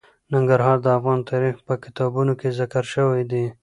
ننګرهار د افغان تاریخ په کتابونو کې ذکر شوی دي.